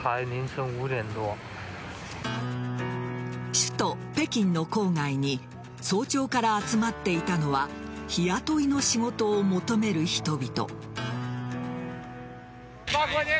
首都・北京の郊外に早朝から集まっていたのは日雇いの仕事を求める人々。